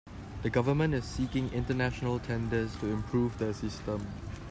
The government is seeking international tenders to improve the system.